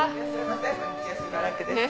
しばらくです。